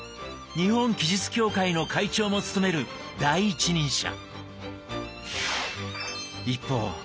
日本奇術協会の会長も務める第一人者。